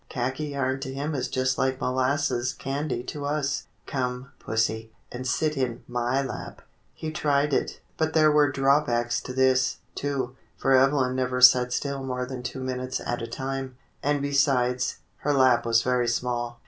Khaki yarn to him is just like molasses candy to us. Come, pussy, and sit in my lap." He tried it, but there were drawbacks to this, too, for Evelyn never sat still more than two minutes at a time; and besides, her lap was very small.